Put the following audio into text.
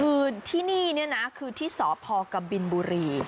คือที่นี่เนี่ยนะคือที่สพกบินบุรี